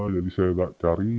jadi saya tidak cari